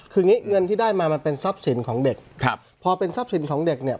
คืองี้เงินที่ได้มามันเป็นทรัพย์สินของเด็กครับพอเป็นทรัพย์สินของเด็กเนี่ย